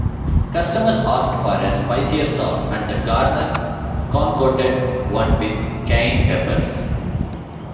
Customers asked for a spicier sauce, and the Garners concocted one with cayenne peppers.